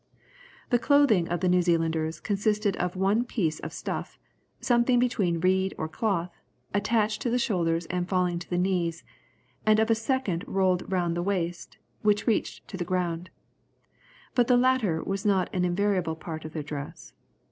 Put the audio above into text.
The clothing of the New Zealanders consisted of one piece of stuff, something between reed or cloth, attached to the shoulders and falling to the knees, and of a second rolled round the waist, which reached to the ground. But the latter was not an invariable part of their dress.